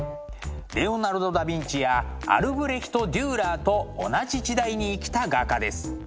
レオナルド・ダ・ヴィンチやアルブレヒト・デューラーと同じ時代に生きた画家です。